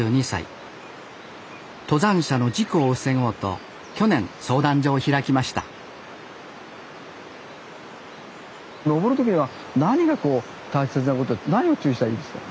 登山者の事故を防ごうと去年相談所を開きました登る時には何がこう大切なこと何を注意したらいいですか？